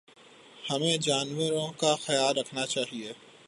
ہمیں جانوروں کا خیال رکھنا چاہیے